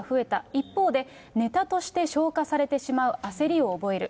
一方で、ネタとして消化されてしまう焦りを覚える。